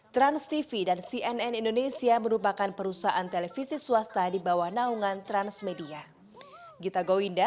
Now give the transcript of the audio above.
transtv dan cnn indonesia merupakan perusahaan televisi swasta di bawah naungan transmedia